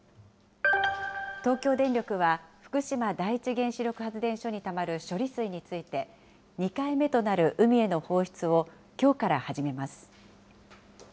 東京電力は、福島第一原子力発電所にたまる処理水について、２回目となる海への放出をきょうから始めます。